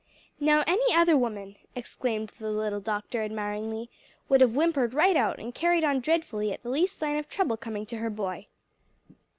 "Now any other woman," exclaimed the little doctor admiringly, "would have whimpered right out, and carried on dreadfully at the least sign of trouble coming to her boy."